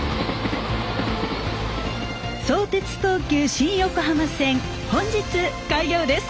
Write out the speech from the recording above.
相鉄・東急新横浜線本日開業です。